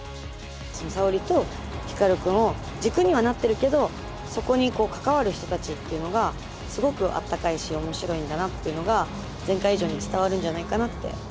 沙織と光くんを軸にはなってるけどそこに関わる人たちっていうのがすごくあったかいし面白いんだなっていうのが前回以上に伝わるんじゃないかなって思います。